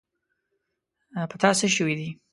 په تا څه شوي دي.